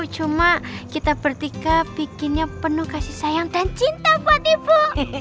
cuma kita bertika bikinnya penuh kasih sayang dan cinta buat ibu